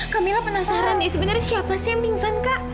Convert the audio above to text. kak mila penasaran sih sebenarnya siapa sih yang pingsan kak